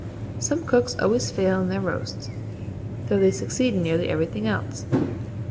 Some cooks always fail in their roasts, though they succeed in nearly everything else.